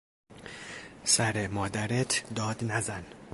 سر مادرت داد نزن!